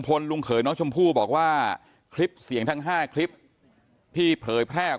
ลุงเขยน้องชมพู่บอกว่าคลิปเสียงทั้ง๕คลิปที่เผยแพร่ออก